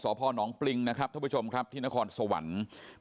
สพน้องพลิงที่นครสวรรคม